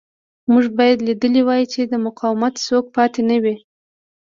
موږ باید لیدلی وای چې د مقاومت څوک پاتې نه وي